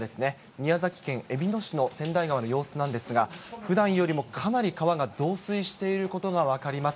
宮崎県えびの市の川内川の様子なんですが、ふだんよりもかなり川が増水していることが分かります。